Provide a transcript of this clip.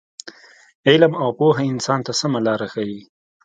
علم او پوهه انسان ته سمه لاره ښیي.